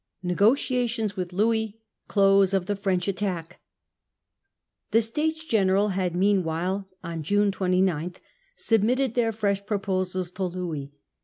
Negotiations with Louis. Close of the French Attack. The States General had meanwhile (June 29) sub mitted their fresh proposals to Louis.